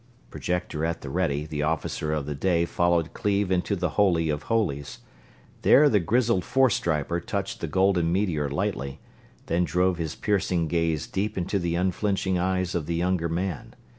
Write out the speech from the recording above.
Projector at the ready, the Officer of the Day followed Cleve into the Holy of Holies. There the grizzled four striper touched the golden meteor lightly, then drove his piercing gaze deep into the unflinching eyes of the younger man.